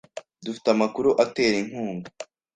Dufite amakuru atera inkunga.